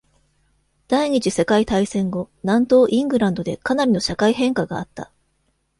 第二次世界大戦後、南東イングランドでかなりの社会変化があった。